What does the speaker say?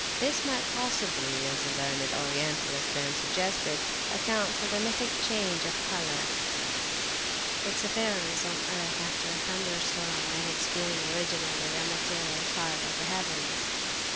This might possibly, as the learned Orientalist then suggested, account for the mythic change of colour, its appearance on earth after a thunderstorm, and its being originally a material part of the heavens.